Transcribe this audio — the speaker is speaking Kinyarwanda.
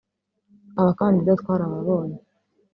Abakandida twarababonye